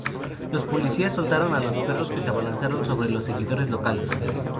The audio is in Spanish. Los policías soltaron a los perros, que se abalanzaron sobre los seguidores locales.